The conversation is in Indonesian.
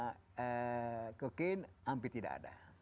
heroin sama cocaine hampir tidak ada